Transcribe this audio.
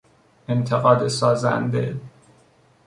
انتقاد سازنده